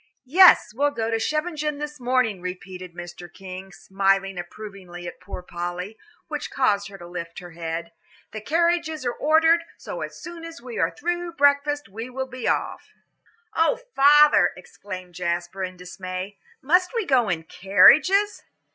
"Yes, we'll go to Scheveningen this morning," repeated Mr. King, smiling approvingly at poor Polly, which caused her to lift her head; "the carriages are ordered, so as soon as we are through breakfast we will be off." "Oh, father," exclaimed Jasper, in dismay, "must we go in carriages?"